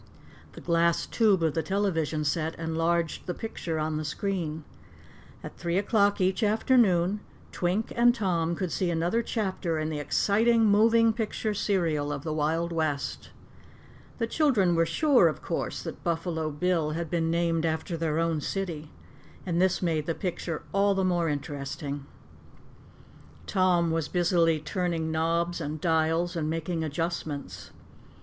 The glass tube of the television set enlarged the picture on the screen. At three o'clock each afternoon Twink and Tom could see another chapter in the exciting moving picture serial of the wild west. The children were sure, of course, that Buffalo Bill had been named after their own city, and this made the picture all the more interesting. Tom was busily turning knobs and dials and making adjustments.